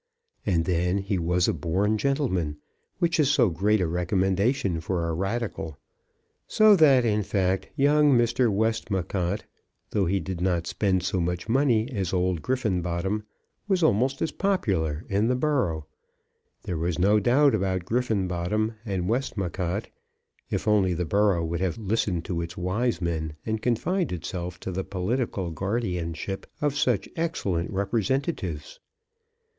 And then he was a born gentleman, which is so great a recommendation for a Radical. So that, in fact, young Mr. Westmacott, though he did not spend so much money as old Griffenbottom, was almost as popular in the borough. There was no doubt about Griffenbottom and Westmacott, if only the borough would have listened to its wise men and confined itself to the political guardianship of such excellent representatives!